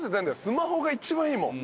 スマホが一番いいもん。